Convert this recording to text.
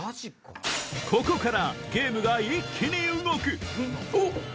ここからゲームが一気に動くおっ！